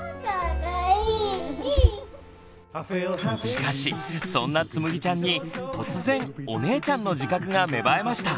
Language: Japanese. しかしそんなつむぎちゃんに突然「お姉ちゃんの自覚」が芽生えました。